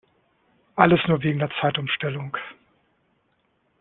Alles nur wegen der Zeitumstellung!